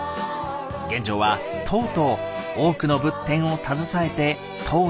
玄奘はとうとう多くの仏典を携えて唐に帰国。